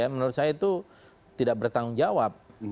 menurut saya itu tidak bertanggung jawab